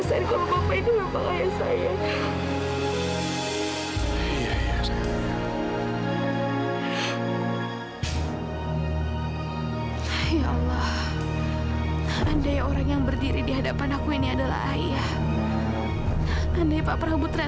sampai jumpa di video selanjutnya